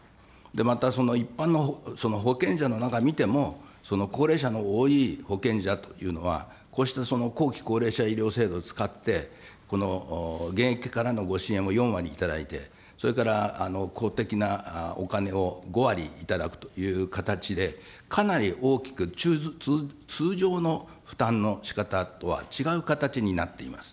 また一般の保険者の中を見ても、高齢者の多い保険者というのは、こうした後期高齢者医療制度を使って、この現役からのご支援を４割いただいて、それから、公的なお金を５割頂くという形で、かなり大きく通常の負担のしかたとは違う形になっています。